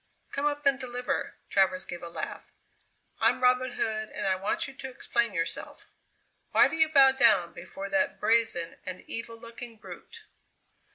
"Come up and deliver!" Travers gave a laugh. "I'm Robin Hood and I want you to explain yourself. Why do you bow down before that brazen and evil looking brute?"